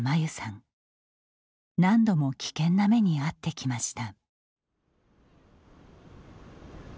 何度も危険な目に遭ってきました。